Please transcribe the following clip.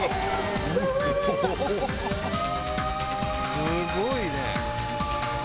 すごいね！